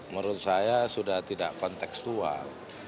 menurut saya sudah tidak konteksual